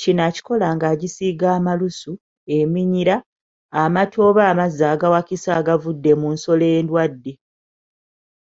Kino ekikola nga egisiiga amalusu, eminyira, amata oba amazzi agawakisa agavudde mu nsolo endwadde.